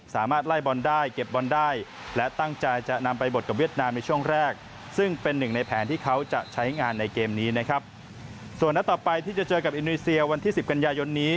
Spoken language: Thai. ส่วนหน้าต่อไปที่จะเจอกับอินุยเซียวันที่๑๐กันยายนนี้